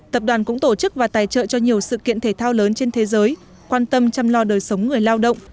tập đoàn cũng tổ chức và tài trợ cho nhiều sự kiện thể thao lớn trên thế giới quan tâm chăm lo đời sống người lao động